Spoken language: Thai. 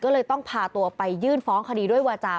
ก็เลยต้องพาตัวไปยื่นฟ้องคดีด้วยวาจา